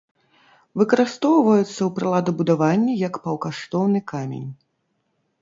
Выкарыстоўваецца ў прыладабудаванні, як паўкаштоўны камень.